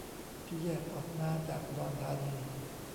ที่แยกออกมาจากอุดรธานี